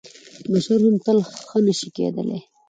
بشر هم تل ښه نه شي کېدلی .